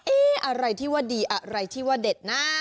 อะไรที่ว่าดีอะไรที่ว่าเด็ดนะ